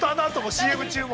ＣＭ中も。